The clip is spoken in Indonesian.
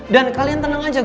dan kalian tenang aja